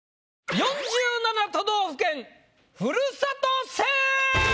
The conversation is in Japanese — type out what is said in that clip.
「４７都道府県ふるさと戦」！